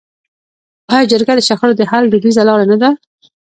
آیا جرګه د شخړو د حل دودیزه لاره نه ده؟